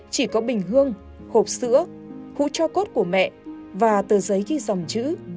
chỉ có bình hương hộp sữa hũ cho cốt của mẹ và tờ giấy ghi dòng chữ